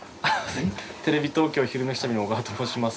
テレビ東京「昼めし旅」の小川と申します。